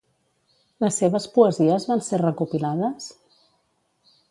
Les seves poesies van ser recopilades?